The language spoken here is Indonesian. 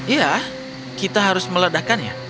ya kita harus meledakannya